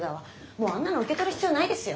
もうあんなの受け取る必要ないですよ。